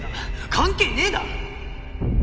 関係ねえだろ！